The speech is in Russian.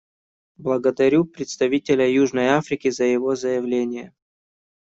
Благодарю представителя Южной Африки за его заявление.